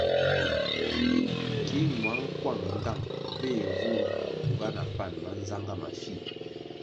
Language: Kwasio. Ki ñuăng kuang nğang béh vur kuga na pan mánzangá mafih ri.